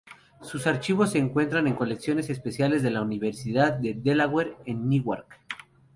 Sus archivos se encuentran en Colecciones Especiales de la Universidad de Delaware en Newark.